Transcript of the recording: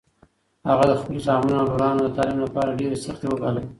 هغه د خپلو زامنو او لورانو د تعلیم لپاره ډېرې سختۍ وګاللې.